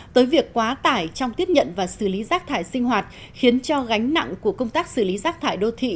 tới việc quá tải trong tiếp nhận và xử lý rác thải sinh hoạt khiến cho gánh nặng của công tác xử lý rác thải đô thị